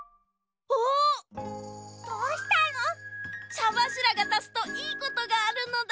ちゃばしらがたつといいことがあるのだ。